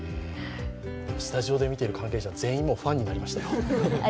スタジオで見ている関係者、全員ファンになりましたよ。